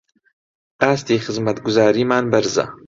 ئاستی خزمەتگوزاریمان بەرزە